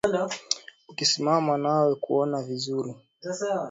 Ukisimama naweza kuona vizuri